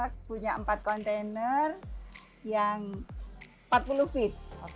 kita punya empat kontainer yang empat puluh feet